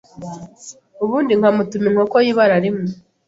Ubundi nkamutuma inkoko y’ibara rimwe